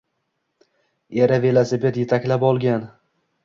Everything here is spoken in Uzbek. Eri velosiped yetaklab olgan